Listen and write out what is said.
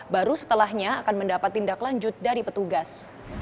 baru setelahnya akan mendapat tindak lanjut dari petugas